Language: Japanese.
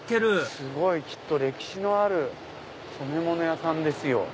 すごい！きっと歴史のある染め物屋さんですよ。